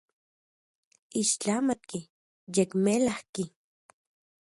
Ixtlamatki, yekmelajki.